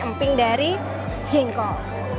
eping dari jengkol